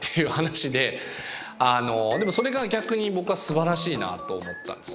でもそれが逆に僕はすばらしいなと思ったんですよね。